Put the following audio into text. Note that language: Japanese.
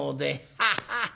アハハハ。